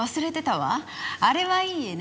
あれはいい絵ね。